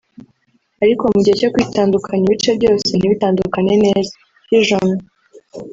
ariko mu gihe cyo kwitandukanya ibice byose ntibitandukane neza (fission)